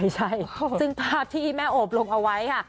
ไม่ใช่ซึ่งภาพที่แม่โอบลงเอาไว้ค่ะ